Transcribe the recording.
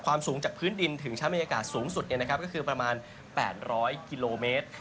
สูงจากพื้นดินถึงชั้นบรรยากาศสูงสุดก็คือประมาณ๘๐๐กิโลเมตร